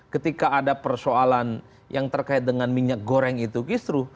ketika ada persoalan yang terkait dengan minyak goreng itu kisru